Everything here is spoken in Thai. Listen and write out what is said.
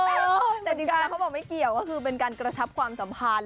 แต่จริงแล้วเขาบอกไม่เกี่ยวก็คือเป็นการกระชับความสัมพันธ์